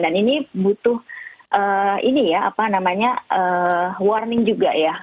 dan ini butuh warning juga ya